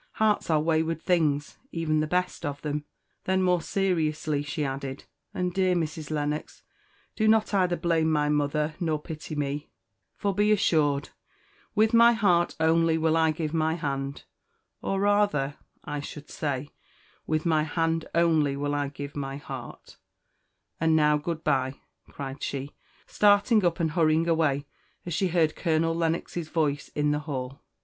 Hearts are wayward things, even the best of them." Then more seriously she added, "And, dear Mrs. Lennox, do not either blame my mother nor pity me; for be assured, with my heart only will I give my hand; or rather, I should say, with my hand only will I give my heart: And now good bye," cried she, starting up and hurrying away, as she heard Colonel Lennox's voice in the hall.